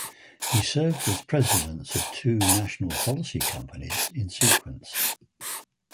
He served as the presidents of two national policy companies in sequence.